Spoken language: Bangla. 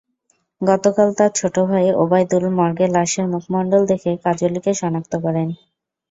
গতকাল তাঁর ছোট ভাই ওবায়দুল মর্গে লাশের মুখমণ্ডল দেখে কাজলিকে শনাক্ত করেন।